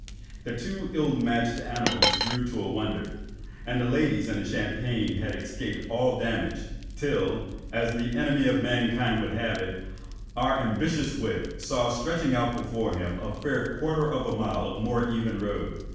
The two ill matched animals drew to a wonder; and the ladies and the champagne had escaped all damage, till, as the enemy of mankind would have it, our ambitious whip saw stretching out before him a fair quarter of a mile of more even road.